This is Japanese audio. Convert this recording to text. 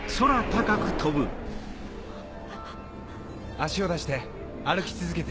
足を出して歩き続けて。